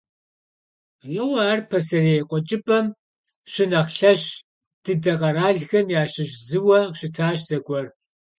Ауэ ар пасэрей Къуэкӏыпӏэм щынэхъ лъэщ дыдэ къэралхэм ящыщ зыуэ щытащ зэгуэр.